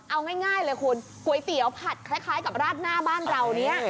เอาง่ายเลยคุณก๋วยเตี๋ยวผัดคล้ายกับราดหน้าบ้านเราเนี่ย